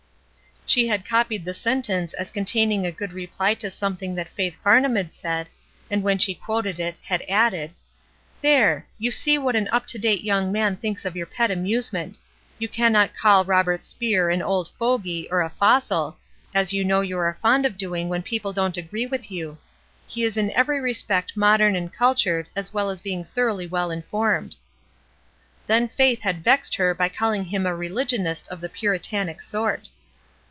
She had copied the sentence as containing a good reply to something that Faith Farnham had said, and when she quoted it, had added :— "There ! you see what an 'up to date' young man thinks of your pet amusement. You cannot call Robert Speer an 'old fogy' or a 'fossil,' as you know you are fond of doing when people don't agree with you. He is in every WORDS 143 respect modern and cultured as well as being thoroughly well informed." Then Faith had vexed her by calling him a religionist of the Puritanic sort.